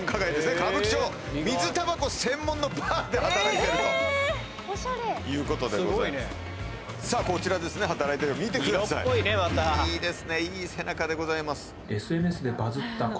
歌舞伎町水タバコ専門のＢＡＲで働いてるということでございますさあこちらですね働いてるの見てください色っぽいねまたいいですねいい背中でございます